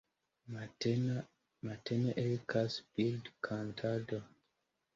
Matene ekas birdkantado.